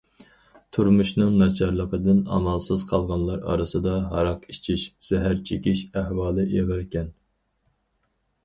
تۇرمۇشنىڭ ناچارلىقىدىن ئامالسىز قالغانلار ئارىسىدا ھاراق ئىچىش، زەھەر چېكىش ئەھۋالى ئېغىركەن.